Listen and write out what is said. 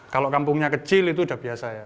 kalau kampungnya kecil itu udah biasa ya